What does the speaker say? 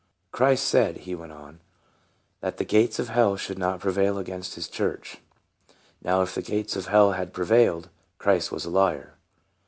" Christ said," he went on, " that the gates of hell should not prevail against his church. Now if the gates of hell have pre vailed, Christ was a liar."